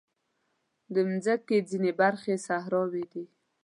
د مځکې ځینې برخې صحراوې دي.